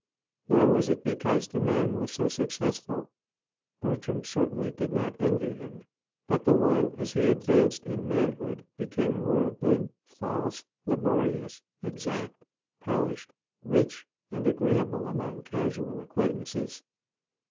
Nor was it because the man was so successful. Bertram certainly did not envy him. But the one as he advanced in manhood became worldly, false, laborious, exact, polished, rich, and agreeable among casual acquaintances.